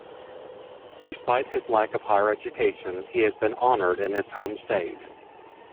Despite his lack of higher education, he has been honored in his home state.